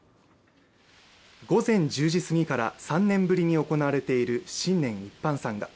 午前１０時すぎから３年ぶりに行われている新年一般参賀。